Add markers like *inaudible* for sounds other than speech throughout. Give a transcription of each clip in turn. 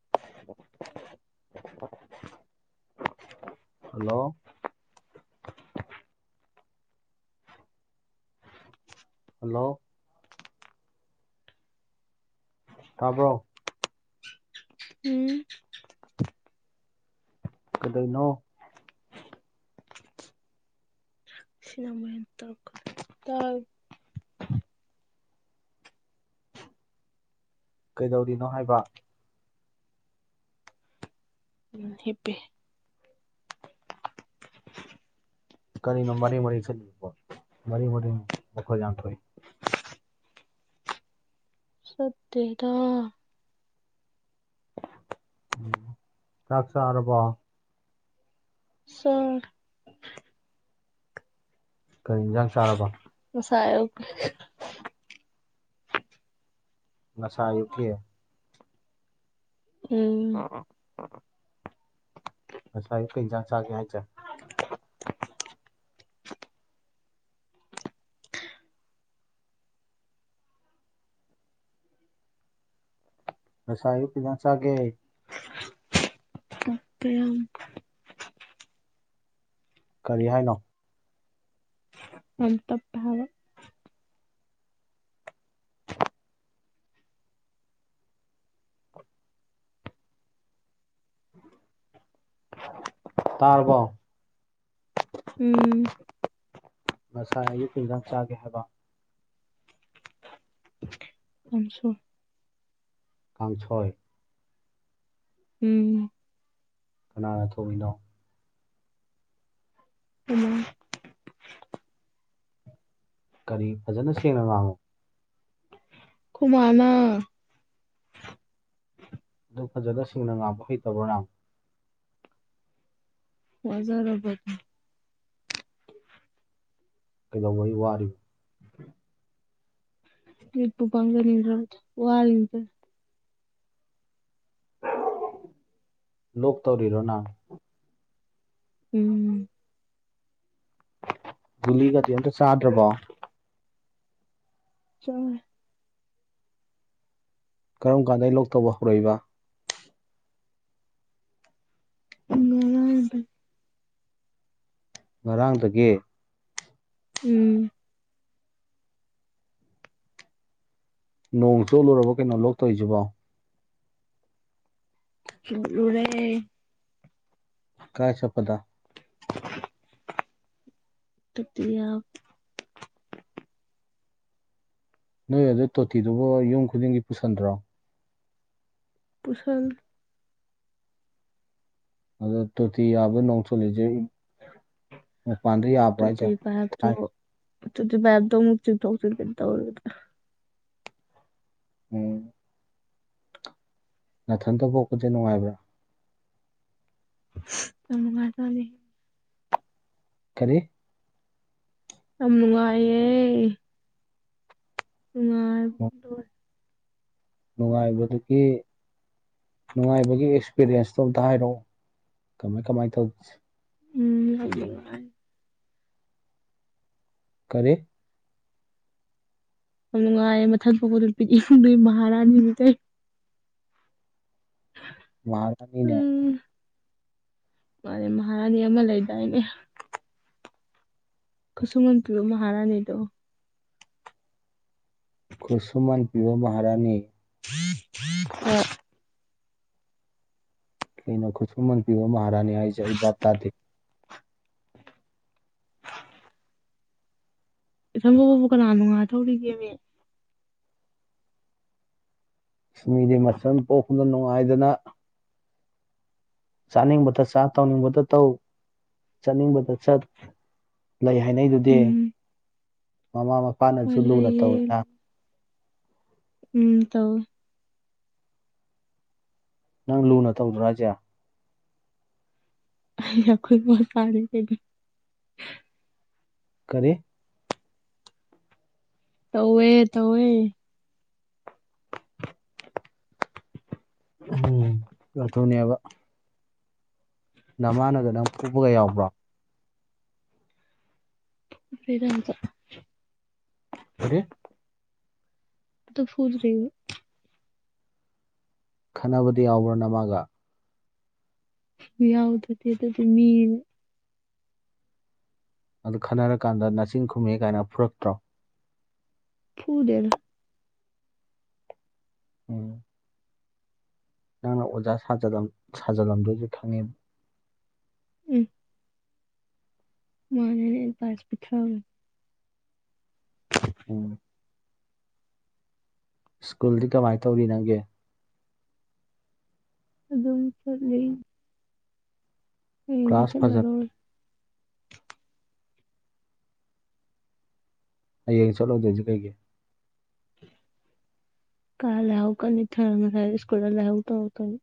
ꯎꯟ ꯈꯣꯠ hello hello ꯇꯥꯕꯔꯣ ꯎꯝ ꯀꯩꯗꯧꯔꯤꯅꯣ ꯁꯅ ꯃꯨꯛ ꯍꯦꯟꯅꯥ ꯇꯩꯔꯛꯀꯅꯤ ꯀꯩꯗꯧꯔꯤꯅꯣ ꯍꯥꯏꯕ ꯎꯝ ꯍꯦꯄꯦ ꯀꯔꯤꯅꯣ ꯃꯔꯦꯡ ꯃꯔꯦꯡ ꯆꯠꯂꯤꯗꯨꯕꯣ ꯃꯔꯦꯡ ꯃꯔꯦꯡ ꯃꯈꯣꯜ ꯌꯥꯝ ꯊꫭꯛꯏ ꯁꯠꯇꯗ ꯆꯥꯛ ꯆꯥꯔꯕꫭ ꯆꯥꯔꯦ ꯀꯔꯤ ꯏꯟꯖꯥꯡ ꯆꯥꯔꯕ ꯉꯁꯥꯏ ꯃꯁꯥ ꯌꯨꯀꯤ ꯑ ꯎꯝ ꯑ ꯑꯁꯥꯏ ꯀꯩꯖꯥꯁ ꯀꯌꯥ ꯆꯦ ꯉꯁꯥꯏꯌꯨ ꯈꯤꯗꯪ ꯆꯥꯒꯦ ꯀꯌꯥꯝ ꯀꯔꯤ ꯍꯥꯏꯅꯣ ꯑ ꯇꯞ ꯇꯥꯔꯔꯕꯣ ꯎꯝ ꯃꯁꯥ ꯑꯒꯤ ꯤꯟꯖꯥꯡ ꯆꯥꯒꯦ ꯍꯥꯏꯕ ꯑꯁꯨꯣ ꯀꯥꯡꯁꯣꯏ ꯎꯝ ꯀꯅꯥꯅ ꯊꯣꯛꯣꯡꯃꯤꯅꯣ ꯈꯨꯃꯥ ꯀꯔꯤ ꯐꯖꯅ ꯁꯦꯡꯅ ꯉꯥꯡꯉꯣ ꯈꯨꯃꯅ ꯑꯗꯨ ꯐꯖꯅ ꯁꯁꯤꯡꯅ ꯉꯥꯡꯕ ꯍꯩꯇꯕ꯭ꯔꯅ ꯋꯥꯖꯔꯕꯗꫭ ꯀꯩꯗꯧꯕꯩ ꯋꯥꯔꯤꯕ *unintelligible* ꯃꯤꯠ ꯄꯨ ꯄꯣꯡꯖꯅꯤꯡꯗ꯭ꯔꯕꯅꯤ ꯋꯥꯔꯤ *unintelligible* ꯂꯣꯛ ꯇꯧꯔꯤꯔꯣ ꯅꯪ ꯎꯝ ꯨꯂꯤꯒꯗꯤ ꯑꯝꯇ ꯆꯥꯗ꯭ꯔꯕꯣ ꯆꯥꯏ ꯀꯔꯝ ꯀꯥꯟꯗꯗꯒꯤ ꯂꯣꯛ ꯇꯧꯕ ꯍꯧꯔꯛꯏꯕ ꯉꯔꯥꯡꯗꯩ ꯉꯔꯥꯡꯗꯒꯤ ꯎꯝ ꯅꯣꯡ ꯆꯣꯠꯂꯨꯔꯕ ꯀꯩꯅꯣ ꯂꯣꯛ ꯇꯧꯔꯤꯁꯤꯕꯣ *unintelligible* ꯔꯦ ꯀꯥꯏ ꯆꯠꯄꯗ ꯑ *unintelligible* *unintelligible* ꯅꯣꯏ ꯑꯗꯨ ꯇꯣꯇꯤꯗꯨꯕꯨ ꯌꯨꯝ ꯈꯨꯗꯤꯡꯒꯤ ꯄꯨꯁꯟꯗ꯭ꯔꯣ ꯄꯨꯁꯜꯂꯦ ꯑꯗ ꯇꯣꯇꯤ ꯌꯥꯕ ꯅꯣꯡ ꯆꯣꯜꯂꯤꯁꯦ ꯃꯄꯥꯜꯗꯩꯌꯥꯕ ꯇꯣꯇꯤ ꯄꯥꯏꯄꯗꯨ ꯇꯣꯇꯤ ꯄꯥꯏꯄꯗꯨ ꯑꯃꯨꯛ ꯆꯤꯡꯊꯣꯛ ꯆꯤꯡꯁꯤꯜ ꯇꯧꯔꯤꯕꯥ ꯎꯝ ꯅꯊꯟꯇ ꯄꯣꯛꯄꯁꯦ ꯅꯨꯡꯉꯥꯏꯕ꯭ꯔꯥ ꯌꯥꯝ ꯅꯨꯉꯥꯏꯖꯥꯅꯤ ꯀꯔꯤ ꯌꯥꯝ ꯅꯨꯡꯉꯥꯏꯌꯦ ꯅꯨꯡꯉꯥꯏ ꯑ ꯅꯨꯡꯉꯥꯏꯕꯗꯒꯤ ꯅꯨꯡꯉꯥꯏꯕꯒꯤ ꯑꯦꯛꯁꯄꯤꯔꯤꯌꯦꯟꯁꯇꯣ ꯑꯝꯇ ꯍꯥꯏꯔꯛꯑꯣ ꯀꯃꯥꯏ ꯀꯃꯥꯏꯅ ꯇꯧ ꯎꯝ ꯀꯔꯤ ꯌꯥꯝ ꯅꯨꯡꯉꯥꯏꯌꯦ ꯃꯊꯜ ꯄꯣꯛꯄ ꯅꯨꯄꯤꯗꯤ ꯏꯐꯨꯟꯗꯩ ꯃꯍꯥꯔꯥꯅꯤ ꯗꯩꯩ ꯋꯥ *unintelligible* ꯎꯝ ꯃꯥꯅꯦ ꯃꯍꯥꯔꯥꯅꯤ ꯑꯃ ꯂꯩꯗꯥꯏꯅꯦ ꯈꯨꯁꯨꯨꯝꯜ ꯄꯤꯕ ꯃꯍꯥꯔꯥꯅꯤꯗꯣ ꯈꯨꯁꯃꯥꯟ ꯄꯤꯕ ꯃꯍꯔꯥꯅꯤ *unintelligible* ꯀꯩꯅꯣ ꯈꯨꯠꯁꯨꯃꯟ ꯄꯤꯕ ꯃꯍꯥꯔꯥꯅꯤ ꯍꯥꯏꯁꯦ ꯑꯩ ꯕꯥꯞ ꯇꯥꯗꯦ ꯏꯊꯟ ꯄꫭꯛꯄꯕꯨ ꯀꯟꯅꯥ ꯅꯨꯉꯥꯏꯗꯧꯔꯤꯒꯦꯅꯦ ꯃꯤꯗꯤ ꯃꯊꯜ ꯄꯣꯛꯄꯅ ꯅꯨꯡꯉꯥꯏꯗꯅ ꯆꯥꯅꯤꯡꯕꯇ ꯆꯥ ꯇꯧꯅꯤꯡꯕꯇ ꯇꯧ ꯆꯠꯅꯤꯡꯕꯗ ꯆꯠ ꯂꯩ ꯍꯥꯏꯅꯩꯗꯨꯗꯤ ꯎꯝ ꯃꯃꯥ ꯃꯄꯥꯅꯁꯨ ꯍꯣꯏ ꯂꯨꯅ ꯂꯩꯌꯦ ꯇꯧꯋꯤꯅ ꯎꯝ ꯇꯧꯏ ꯅꯪ ꯂꯨꯅ ꯇꯧꯗ꯭ꯔꯣ ꯍꯥꯏꯁꯦ ꯌꯥꯈꯣꯏ *unintelligible* ꯀꯔꯤ ꯇꯧꯋꯦ ꯇꯧꯋꯦ ꯎꯝ ꯑꯗꯨꯅꯦꯕ ꯅꯃꯥꯟꯅꯒ ꯅꯪ ꯐꯨꯄꯒ ꯌꯥꯎꯕ꯭ꯔꯣ *unintelligible* ꯀꯔꯤ ꯑꯗꯨ ꯐꯨꯜ꯭ꯔꯒ ꯈꯟꯅꯕꯗꯣ ꯌꯥꯎꯕꯔꯣ ꯅꯃꯥꯒ ꯌꯥꯎꯗꯗꯤ ꯑꯗꯨꯗꯤ ꯃꯤ ꯑꯗꯨ ꯈꯟꯅꯔ ꯀꯥꯟꯗ ꯅꯆꯤꯟ ꯈꯨꯝꯃꯦ ꯀꯥꯏꯅ ꯐꯨꯔꯛꯇ꯭ꯔꯣ ꯐꯨꯗꯦꯗ ꯎꯝ ꯅꯪꯅ ꯑꯣꯖꯥ ꯁꯥꯖꯜꯂꯝ ꯁꯥꯖꯜꯂꯝꯗꫭꯏꯁꯦ ꯈꯪꯉꯦꯕ ꯎꯝ ꯃꯥꯅꯦꯅꯦ ꯄꯁ ꯄꯊ꯭ꯔ ꯎꯝ ꯁ꯭ꯀꯨꯜꯗꯤ ꯀꯃꯥꯏꯅ ꯇꯧꯔꯤ ꯅꯪꯒ ꯑꯗꯨꯝ ꯆꯠꯂꯤ ꯍꯌꯦꯡꯗꯤ ꯀ꯭ꯂꯥꯁ ꯐꯖꯅ ꯆꯠꯂꯔꫭꯏ ꯍꯌꯦꯡ ꯆꯠꯂꫭꯏꯗꯣꯏꯁꯦ ꯀꯩꯒꯤꯅꫭ ꯀꯥ ꯂꯥꯏꯍꯧ ꯀꯟ ꯅꯤꯛꯊꯔ ꯉꯁꯥꯏ ꯏꯁꯀꯨꯜꯗ ꯂꯥꯏꯍꯧ ꯇꯧꯔꯛꯇꯅ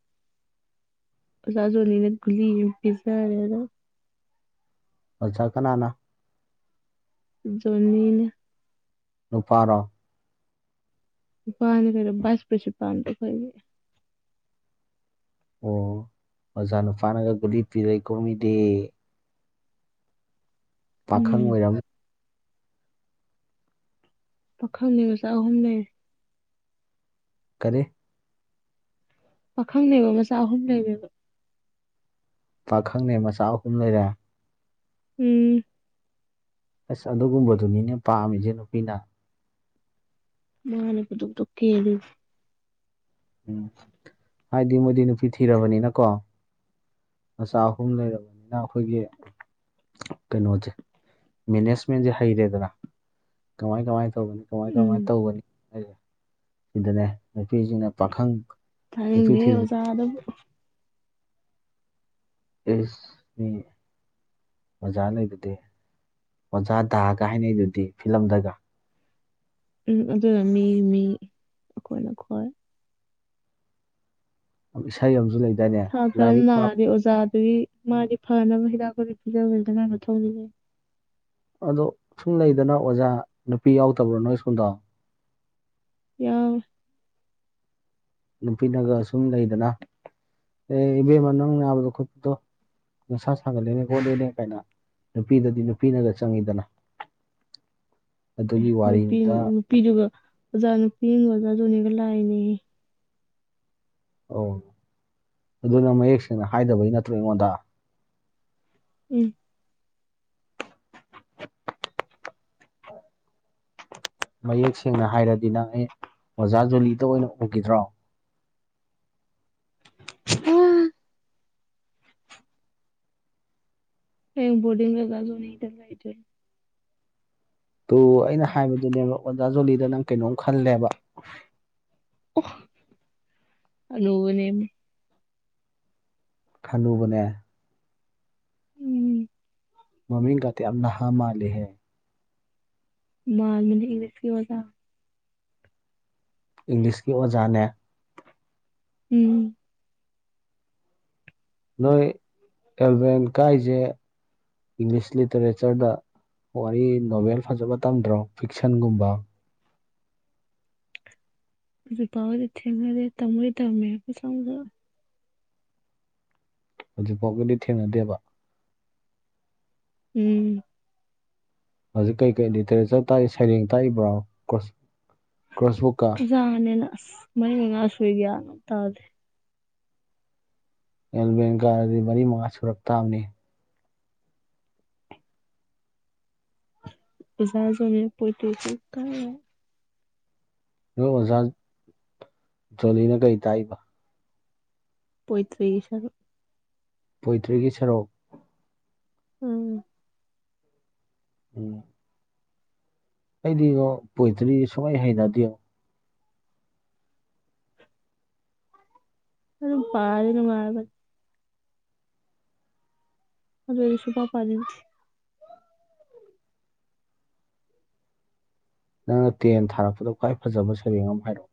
ꯑꯣꯖꯥ ꯖꯣꯅꯤꯅ ꯒꯨꯂꯤ ꯑꯃ ꯄꯤꯖꯔꯦ ꯑꯣꯆꯥ ꯀꯅꯥꯅ ꯖꯣꯂꯤꯅ ꯅꯨꯄꯥꯔꯣ ꯏꯄꯥꯅꯦ ꯀꯩꯅꯣ ꯕꯥꯏꯁ ꯄ꯭ꯔꯦꯟꯁꯤꯄꯥꯜꯅꯤ ꯀꯩꯅꯣ ꯑꯣ ꯑꯣꯖꯥꯅꯨꯄꯥꯥꯅꯒ ꯒꯨꯂꯤ ꯄꯤꯔꯩ ꯀꯣꯃꯤꯗꯦ ꯄꯥꯈꯪ ꯎꯝ ꯑꯣꯏꯔꯝꯃꯤ ꯄꯥꯈꯪ ꯂꯩꯕꯁ ꯑꯍꯨꯝ ꯂꯩ ꯀꯔꯤ ꯄꯥꯈꯪꯅꯦꯕ ꯃꯆꯥ ꯑꯍꯨꯝ ꯂꯩꯔꯦꯕ ꯄꯥꯈꯪꯅꯦ ꯃꯆꯥ ꯑꯍꯨꯝ ꯂꯩꯔꯦ ꯎꯝ ꯑꯁ ꯑꯗꯨꯒꯨꯝꯕꯗꯨꯅꯤꯅꯦ ꯄꯥꯝꯃꯤꯁꯦ ꯅꯨꯄꯤꯅ꯫ ꯃꯥꯅ *unintelligible* ꯀꯦꯜꯂꯤꯅꯦ ꯎꯝ ꯍꯥꯏꯗꯤ ꯃꯣꯏꯗꯤ ꯅꯨꯄꯤ ꯊꯤꯔꯕꯅꯤꯅꯀꯣ ꯃꯆꯥ ꯑꯍꯨꯝ ꯂꯩꯔꯕꯅꯤꯅ ꯑꯈꯣꯏꯒꯤ ꯀꯩꯅꯣꯁꯦ ꯃꯦꯅꯦꯖꯃꯦꯟꯁꯦ ꯍꯩꯔꯦꯗꯅ ꯀꯃꯥꯏ ꯀꯃꯥꯏ ꯇꯧꯕꯅꯤ ꯀꯃꯥꯏ ꯎꯝ ꯀꯃꯥꯏꯅ ꯇꯧꯒꯅꯤ ꯑꯩꯁꯦ ꯁꯤꯗꯅꯦ ꯅꯨꯄꯤꯁꯤꯡꯅ ꯄꯥꯈꯪ ꯅꯨꯄꯤ ꯊꯥꯅꯤꯡꯗꯦꯍꯦ ꯊꯤꯔꯦ *unintelligible* ꯏꯁ ꯃꯤ ꯑꯣꯖꯥ ꯂꯩꯕꯗꯤ ꯑꯣꯖꯥꯗꯥꯒ ꯍꯥꯏꯅꯩꯗꯨꯗꯤ ꯐꯤꯂꯝꯗꯒ ꯎꯝ ꯑꯗꯨꯅ ꯃꯤ ꯃꯤ ꯑꯈꯣꯏꯅꯈꯣꯏ ꯏꯁꯩ ꯑꯝꯁꯨ ꯂꯩꯗꯥꯏꯅꯦ ꯁꯥꯇ꯭ꯔ ꯑꯃ ꯂꯥꯏꯔꯤꯛ ꯄꯥꯕ ꯅꯥꯔꯦ ꯑꯣꯖꯥꯗꯨꯒꯤ ꯃꯥꯗꯤ ꯐꯅꯕ ꯍꯤꯗꯥꯛꯒꯨꯂꯤ ꯄꯤꯖꯥꯕꯗꯨꯗꯤ ꯃꯒꯤ ꯃꯊꯧꯅꯤꯗꯅ ꯑꯗꯣ ꯁꯨꯝ ꯂꯩꯗꯅ ꯑꯣꯖꯥ ꯅꯨꯄꯤ ꯌꯥꯎꯗꯕ꯭ꯔꯣ ꯅꯣꯏ ꯁ꯭ꯀꯨꯜꯗꯣ? ꯌꯥꯎ ꯅꯨꯄꯤꯅꯒ ꯁꯨꯝ ꯂꯩꯗꯅ ꯏꯕꯦꯝꯃ ꯅꯪ ꯅꯥꯕꯗꯣ ꯈꯨꯠꯇꯣ ꯅꯁꯥ ꯁꯥꯒꯠꯂꯦꯅꯦ ꯈꯣꯠꯂꯦꯅꯦ ꯀꯥꯏꯅ ꯅꯨꯄꯤꯗꯗꯤ ꯅꯨꯄꯤꯅꯒ ꯆꯪꯉꯤꯗꯅ *inaudible* ꯑꯦ ꯅꯨꯄꯤ ꯋꯥꯔꯤꯅꯤꯗ ꯅꯨꯄꯤꯗꯨꯒ ꯑꯣꯖꯥ ꯅꯨꯄꯤ ꯑꯃꯥꯒ ꯑꯣꯖꯥ ꯗꯣꯜꯂꯤꯒ ꯂꯛ ꯑꯦꯅꯦ ꯌꯦ ꯑꯣ ꯑꯗꯨꯅꯪ ꯃꯌꯦꯛ ꯁꯦꯡꯅ ꯍꯥꯏꯗꯕꯩ ꯅꯠꯇ꯭ꯔꯣ ꯑꯩꯉꯣꯟꯗ ꯎꯝ ꯃꯌꯦꯛ ꯁꯦꯡꯅ ꯍꯥꯏꯔꯗꯤ ꯅꯪ ꯑꯩ ꯑꯣꯖꯥ ꯖꯨꯂꯤꯗ ꯑꯣꯏꯅ ꯎꯈꯤꯗ꯭ꯔꯣ? ꯎꯝ ꯑꯩ ꯕꯣꯔꯗꯤꯡꯗ ꯗꯥ ꯖꯣꯅꯤꯗ ꯂꯩꯗꯣꯏꯅꯦ꯫ ꯇꯣ ꯑꯩꯅ ꯍꯥꯏꯕꯗꯨꯅꯦ ꯑꯣꯖꯥ ꯖꯣꯂꯤꯗ ꯅꯪ ꯀꯩꯅꯣꯝ ꯈꯜꯂꯦꯕ꯫ ꯑꯣ ꯑꯅꯨꯕꯅꯦꯝ ꯈꯅꯨꯕꯅꯦ꯫ ꯎꯝ ꯃꯃꯤꯡ ꯒꯗꯤ ꯌꯥꯝ ꯅꯍꯥ ꯃꯥꯂꯦ꯫ ꯃꯥꯟꯕꯅꯦ ꯏꯪꯂꯤꯁꯀꯤ ꯑꯣꯖꯥ ꯏꯪꯂꯤꯁꯀꯤ ꯑꯣꯖꯥꯅꯦ꯫ ꯎꯝ ꯅꯣꯏ ꯑꯦꯜꯕꯦꯟ ꯀꯥꯏꯖꯦ ꯏꯪꯂꯤꯁ ꯂꯤꯇꯔꯦꯆꯔꯗ ꯋꯥꯔꯤ ꯅꯣꯕꯦꯜ ꯐꯖꯕ ꯇꯝꯗ꯭ꯔꯣ ꯐꯤꯛꯁꯟꯒꯨꯝꯕ? ꯍꯨꯖꯤꯛ ꯐꯥꯎꯒꯤꯗꯤ ꯊꯦꯡꯅꯗꯦ ꯇꯝꯕꯨꯗꯤ ꯇꯝꯃꯦ ꯃꯆꯥ ꯃꯆꯥ꯫ ꯍꯧꯖꯤꯛꯐꯥꯎꯒꯗꯤ ꯊꯦꯡꯅꯗꯦꯕ꯫ ꯎꯝ ꯍꯧꯖꯤꯛ ꯀꯩ ꯀꯩ ꯂꯤꯇꯔꯦꯆꯔ ꯇꯥꯛꯏ ꯁꯩꯔꯦꯡ ꯇꯥꯛꯏꯕ꯭ꯔꯣ ꯀ꯭ꯔꯣꯁ ꯀꯣꯔꯁꯕꯨꯛꯀ ꯖꯥꯅꯤꯅ ꯑꯁ ꯃꯔꯤ ꯃꯉꯥ ꯁꯨꯏ ꯒꯌ꯭ꯥꯟ ꯑꯝ ꯇꯥꯗꯦ꯫ ꯑꯦꯜꯚꯦꯟ ꯀꯥꯔꯗꯤ ꯃꯔꯤ ꯃꯉꯥ ꯁꯨꯔꯛ ꯇꯥꯕꯅꯤ꯫ *unintelligible* ꯅꯣꯏ ꯑꯣꯖꯥ ꯖꯣꯂꯤꯅ ꯀꯩ ꯇꯥꯛꯏꯕ꯫ ꯄꯣꯏ ꯇ꯭ꯦꯒꯤ ꯍꯥꯢꯕ꯫ ꯄꯣꯏꯇ꯭ꯔꯤꯒꯤ ꯁꯔꯨꯛ ꯎꯝ ꯎꯝ ꯑꯩꯗꯤꯉꯣ ꯄꯣꯏꯇ꯭ꯔꯤ ꯁꯨꯀꯍꯩ ꯍꯩꯅꯗꯦꯣ꯫ ꯑꯗꯨ ꯑꯗꯨ ꯄꯔꯗꯤ ꯅꯨꯉꯥꯏꯕꯅꯦ꯫ ꯑꯗꯨ ꯑꯩ ꯁꯨꯄꯥ ꯄꯥꯅꯤꯡꯗꯦ꯫ ꯅꯪꯅ ꯇꯦꯟ ꯊꯥꯔꯛꯄꯗ ꯈ꯭ꯋꯥꯏ ꯐꯖꯕ ꯁꯩꯔꯦꯡ ꯑꯝ ꯍꯥꯏꯔꯛꯑꯣ?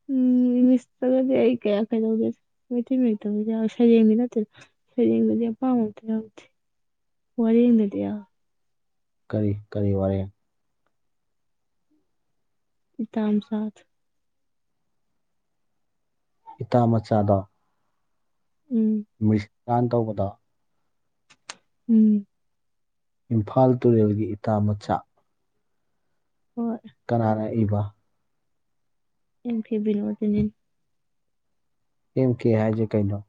*inaudible* ꯑꯗꯨꯗꯤ ꯑꯩ ꯀꯌꯥ ꯀꯩꯗꯧꯗꯦ ꯃꯤꯇꯩ ꯃꯌꯦꯛꯇꯥꯕꯨ ꯌꯥꯎꯏ ꯁꯩꯔꯦꯡ ꯗꯤ ꯅꯠꯇꯦ꯫ ꯐꯔꯤꯡꯗꯗꯤ ꯑꯥꯄꯥꯝꯕ ꯑꯝꯇꯥ ꯌꯥꯎꯗꯦ ꯋꯔꯦꯡ ꯗꯥꯗꯤ ꯌꯥꯎꯏ꯫ ꯀꯔꯤ ꯀꯔꯤ ꯋꯔꯦ꯫ ꯏꯇꯥꯝꯆꯥ ꯫ ꯏꯇꯥ ꯃꯆꯥꯗꯣ꯫ ꯎꯝ ꯃꯔꯤꯁꯀꯥꯟ ꯇꯧꯕꯗꯣ꯫ ꯎꯝ ꯏꯝꯐꯥꯜ ꯇꯨꯔꯦꯜꯒꯤ ꯏꯇꯥ ꯃꯆꯥ ꯍꯣꯏ꯫ ꯀꯅꯥꯅ ꯏꯕ? ꯑꯦꯝ ꯀꯦꯕꯤꯅꯣꯗꯤꯅꯤꯅ꯫ ꯏꯦꯝ ꯀꯦ ꯍꯥꯏꯖꯦ ꯀꯩꯅꯣ?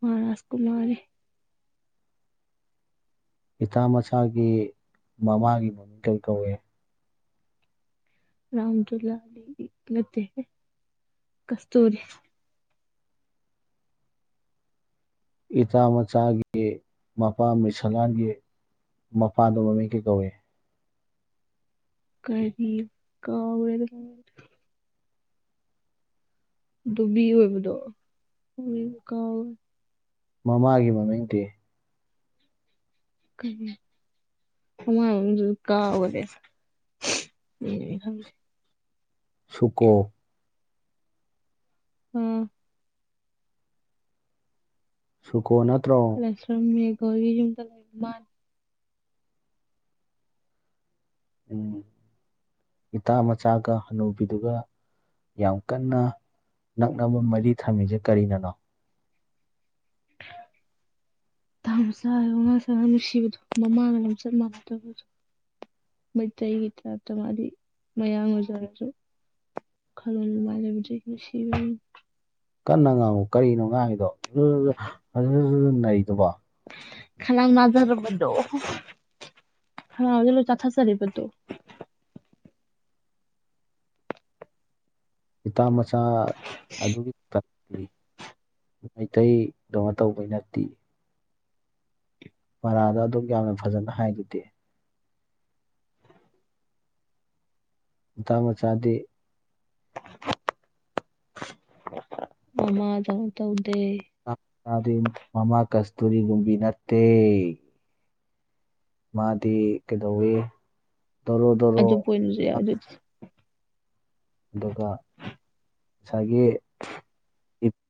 ꯃꯥꯔꯥꯁ ꯀꯨꯃꯥꯔꯤ꯫ ꯏꯇꯥ ꯃꯁꯥꯒꯤ ꯃꯃꯥꯒꯤ ꯃꯃꯤꯡ ꯀꯔꯤ ꯀꯧꯏ? ꯔꯝꯗꯨꯨꯂꯥ ꯅꯠꯇꯦ ꯍꯦ ꯀꯁꯇꯨꯔꯤ꯫ ꯏꯇꯥ ꯃꯆꯥꯒꯤ ꯃꯄꯥ ꯃꯤꯁꯂꯥꯟꯒꯤ ꯃꯄꯥꯗꯣ ꯃꯃꯤꯡ ꯀꯩ ꯀꯧꯏ꯫ ꯀꯔꯤ ꯀꯥꯎꯔꯦꯗ꯫ ꯗꯨꯕꯤ ꯑꯣꯏꯕꯗꯣ ꯈꯪꯗꯦ ꯀꯥꯎꯋꯦ꯫ ꯃꯃꯥꯒꯤ ꯃꯃꯤꯡꯗꯤ ꯀꯔꯤ ꯃꯃꯥꯏ ꯃꯃꯤꯡꯗꯨꯁꯨ ꯀꯥꯎꯒꯔꯦ꯫ ꯎ ꯑꯦ ꯑꯩ ꯈꯪꯗꯦ꯫ ꯁꯨꯀꯣ ꯎꯝ ꯁꯨꯀꯣ ꯅꯠꯇ꯭ꯔꯣ ꯂꯥꯏꯁ꯭ꯔꯝ ꯃꯦꯘ ꯍꯣꯏ ꯌꯨꯝꯗ ꯂꯩꯕ ꯃꯥꯜ ꯎꯝ ꯏꯇꯥ ꯃꯆꯥꯒ ꯍꯅꯨꯕꯤꯗꯨꯒ ꯌꯥꯝ ꯀꯟꯅ ꯅꯛꯅꯕ ꯃꯔꯤ ꯊꯝꯃꯤꯁꯦ ꯀꯔꯤꯅꯅꯣ ꯇꯥꯃꫭꯆꯥꯗꯤ ꯋꯥꯉꯥꯡ ꯑꯉꯥꯡ ꯅꯨꯡꯁꯤꯕꯗꯣ ꯃꯃꯥꯒ ꯂꯝꯆꯠ ꯃꯥꯟꯅꯗꯕꯗꯣ ꯃꯤꯇꯩ ꯒꯤ ꯇꯥꯏꯄꯦ ꯇꯥ ꯃꯥꯗꯤ ꯃꯌꯥꯡ ꯑꯣꯖꯔꯁꯨ *unintelligible* ꯅꯨꯡꯁꯤꯕ ꯀꯟꯅ ꯉꯥꯡꯉꯨ ꯀꯔꯤꯅꯣ ꯉꯥꯡꯉꯗꯣ ꯑꯗꯨ ꯅꯩꯗꯨꯕꯣ ꯈ ꯅꯖꯔꯗꯣ ꯆꯥꯊ ꯆꯥꯔꯕꯗꯨꯣ ꯏꯇꯥ ꯃꯆꯥ ꯑꯗꯨꯒꯤ ꯃꯤꯇꯩ ꯀꯩꯅꯣ ꯇꯧꯕꯒꯤ ꯅꯠꯇꯦ ꯄꯔꯥꯗ ꯑꯗꯨꯛ ꯌꯥꯝꯅ ꯐꯖꯅ ꯍꯥꯏꯗꯨꯗꯤ ꯏꯇꯥꯃꯆꯥꯥꯗꯤ ꯃꯃꯥ ꯗꯧ ꯇꯧꯗꯦ ꯃꯥꯗꯤ ꯃꯃꯥ ꯀꯁꯇꯨꯔꯤꯒꯨꯝꯕꯤ ꯅꯠꯇꯦ꯫ ꯃꯥꯗꯤ ꯀꯩꯗꯧꯋꯤ ꯇꯧꯔꯣ ꯇꯧꯔꯣ ꯑꯗꯨ ꯄꯣꯏꯅꯁꯨ ꯌꯥꯏ ꯑꯗꯨ ꯑꯗꯨꯒ ꯉꯁꯥꯏꯒꯤ ꯏꯠ